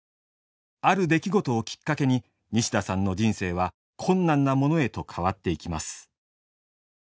ある出来事をきっかけに西田さんの人生は困難なものへと変わっていきます。